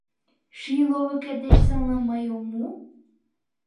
Ший ловыкет деч сылным мый ом му?